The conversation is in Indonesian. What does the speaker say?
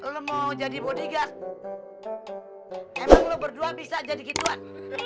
lo mau jadi bodigas emang lo berdua bisa jadi gituan